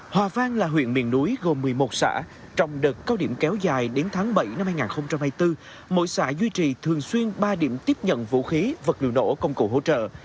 hòa vang là huyện miền núi gồm một mươi một xã trong đợt cao điểm kéo dài đến tháng bảy năm hai nghìn hai mươi bốn mỗi xã duy trì thường xuyên ba điểm tiếp nhận vũ khí vật liệu nổ công cụ hỗ trợ